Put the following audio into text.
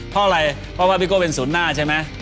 เพราะอะไรเพราะว่าพี่โก้เป็นศูนย์หน้าใช่ไหม